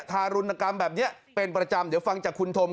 ทารุณกรรมแบบนี้เป็นประจำเดี๋ยวฟังจากคุณธม